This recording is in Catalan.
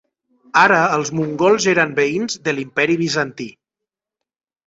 Ara els mongols eren veïns de l'imperi Bizantí.